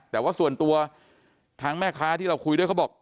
แต่ว่าส่วนตัวทางแม่ค้าที่เราคุยด้วยเขาบอก